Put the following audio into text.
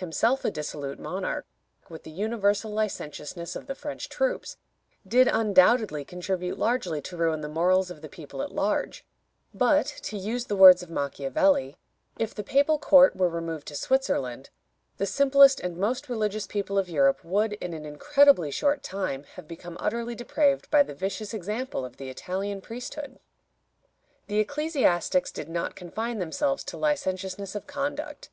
himself a dissolute monarch, with the universal licentiousness of the French troops, did undoubtedly contribute largely to ruin the morals of the people at large, but, to use the words of Machiavelli, "If the papal court were removed to Switzerland, the simplest and most religious people of Europe would, in an incredibly short time, have become utterly depraved by the vicious example of the Italian priesthood." The ecclesiastics did not confine themselves to licentiousness of conduct.